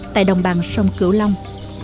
tại đồng bằng sông cửu long